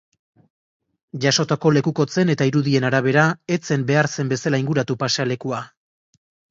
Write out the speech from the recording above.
Jasotako lekukotzen eta irudien arabera, ez zen behar zen bezala inguratu pasealekua.